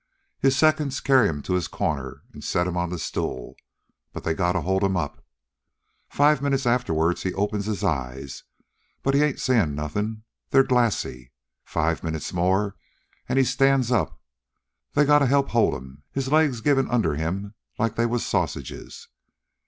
His seconds carry 'm to his corner an' set 'm on the stool. But they gotta hold 'm up. Five minutes afterward he opens his eyes but he ain't seein' nothing. They're glassy. Five minutes more, an' he stands up. They got to help hold 'm, his legs givin' under 'm like they was sausages.